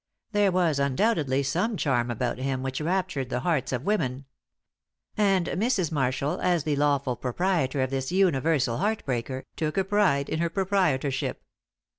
There was undoubtedly some charm about him which raptured the hearts of women. And Mrs. Marshall, as the lawful proprietor of this universal heart breaker, took a pride in her proprietorship.